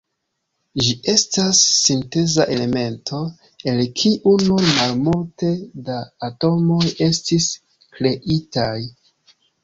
Ĝi estas sinteza elemento, el kiu nur malmulte da atomoj estis kreitaj.